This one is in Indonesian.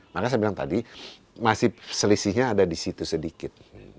maka saya bilang tadi masih selisihnya ada di situ sedikit